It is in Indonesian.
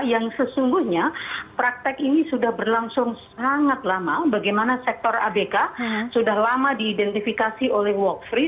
yang sesungguhnya praktek ini sudah berlangsung sangat lama bagaimana sektor abk sudah lama diidentifikasi oleh walk free